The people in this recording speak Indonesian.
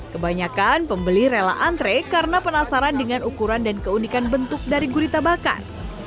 kebanyakan pembeli rela antre karena penasaran dengan ukuran dan keunikan bentuk dari gurita bakar